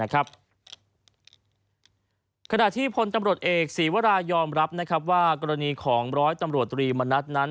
ขณะที่พลตำรวจเอกศีวรายยอมรับว่ากรณีของร้อยตำรวจตรีมณัฐนั้น